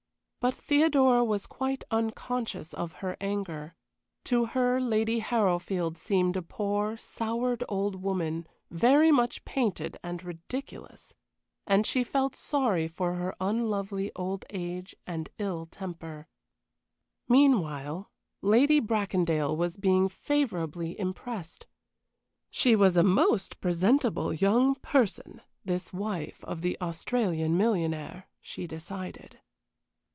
But Theodora was quite unconscious of her anger. To her Lady Harrowfield seemed a poor, soured old woman very much painted and ridiculous, and she felt sorry for unlovely old age and ill temper. Meanwhile, Lady Bracondale was being favorably impressed. She was a most presentable young person, this wife of the Australian millionaire, she decided.